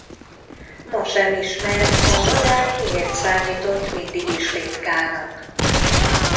Ma sem ismert a madár miért számított mindig is ritkának.